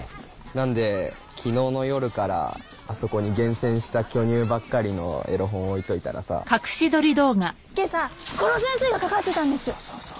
なんで昨日の夜からあそこに厳選した巨乳ばっかりのエロ本置いといたらさ今朝殺せんせーがかかってたんです